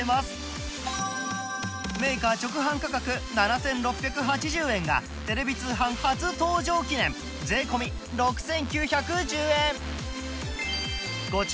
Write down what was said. メーカー直販価格７６８０円がテレビ通販初登場記念税込６９１０円